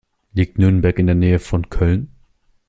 Liegt Nürnberg in der Nähe von Köln?